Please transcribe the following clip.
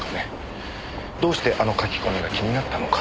どうしてあの書き込みが気になったのか。